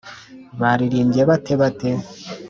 baririmbye bate’ bate’